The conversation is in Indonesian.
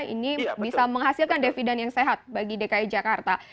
ini bisa menghasilkan dividan yang sehat bagi dki jakarta